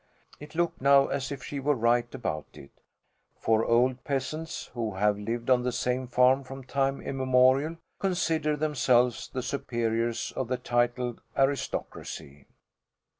It looked now as if she were right about it. For old peasants who have lived on the same farm from time immemorial consider themselves the superiors of the titled aristocracy.